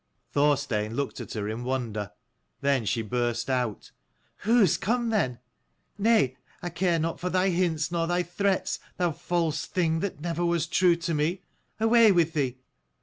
Thorstein looked at her in wonder. Then she burst out: "Who has come, then? Nay, I care not for thy hints nor thy threats, thou false thing that never was true to me. Away with thee